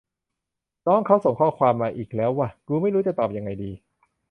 น้องเขาส่งข้อความมาอีกแล้วว่ะ กูไม่รู้จะตอบยังไงดี